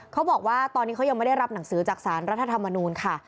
เขาบอกว่าตอนนี้เขายังไม่ได้รับหนังสือจากสารรัฐธรรมนูลค่ะ